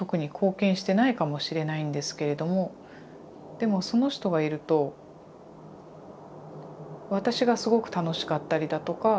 でもその人がいると私がすごく楽しかったりだとか。